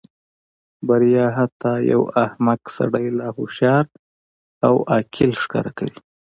بریا حتی یو احمق سړی لا هوښیار او عاقل ښکاره کوي.